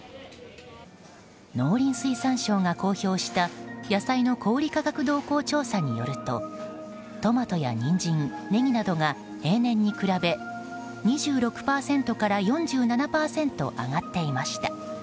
農林水産省が公表した野菜の小売価格動向調査によるとトマトやニンジン、ネギなどが平年に比べ２６％から４７％上がっていました。